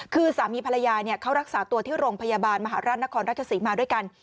คือสามีภรรยาเขารักษาตัวที่โรงพยาบาลมหาราชนครราชศรีมาด้วยกัน